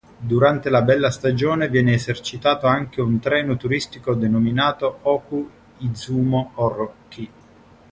Durante la bella stagione viene esercitato anche un treno turistico denominato "Oku-Izumo Orochi".